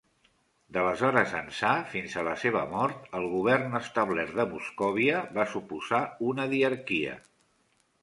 D'aleshores ençà, fins a la seva mort, el govern establert de Moscòvia va suposar una diarquia.